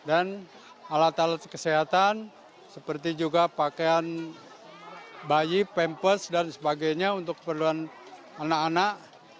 alat alat kesehatan seperti juga pakaian bayi pempes dan sebagainya untuk keperluan anak anak